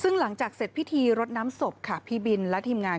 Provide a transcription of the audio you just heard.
ซึ่งหลังจากเสร็จพิธีรดน้ำศพค่ะพี่บินและทีมงาน